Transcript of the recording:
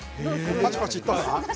パチパチいったかな。